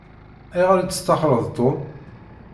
Ayɣer i testaxṛeḍ Tom?